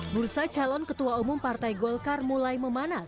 bursa calon ketua umum partai golkar mulai memanas